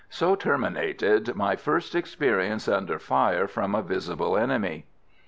So terminated my first experience under fire from a visible enemy.